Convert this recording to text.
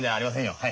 はい。